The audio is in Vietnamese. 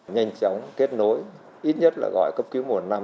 nhanh chóng kết nối ít nhất là gọi cấp cứu mùa năm